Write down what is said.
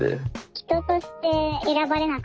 人として選ばれなかった。